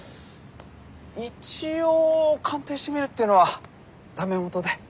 一応鑑定してみるっていうのはダメもとで。